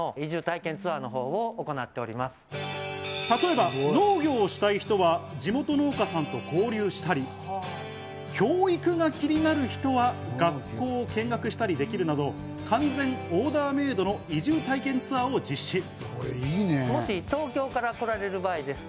例えば農業をしたい人は地元農家さんと交流したり、教育が気になる人は学校を見学したりできるなど完全オーダーメイドの移住体験ツアーを実施。